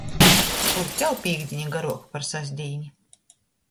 Kur tev pīktdīne garuoka par sastdīni!